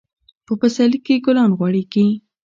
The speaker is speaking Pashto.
په پسرلي کي ګلان غوړيږي.